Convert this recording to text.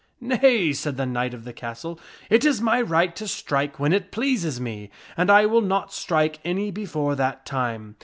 " Nay," said the knight of the castle, "it is my right to strike when it pleases me, and I will not strike any before that time.